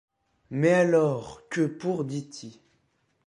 Mais alors que pour Dt.